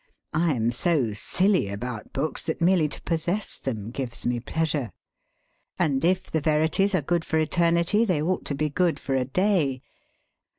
I am so 'silly' about books that merely to possess them gives me pleasure. And if the verities are good for eternity they ought to be good for a day.